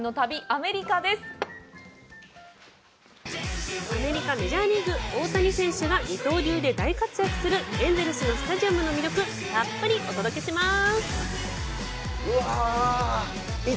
アメリカ・メジャーリーグ大谷選手が二刀流で大活躍するエンゼルスのスタジアムの魅力たっぷりお届けします！